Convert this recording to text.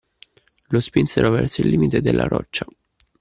Lo spinsero verso il limite della roccia